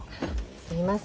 すみません。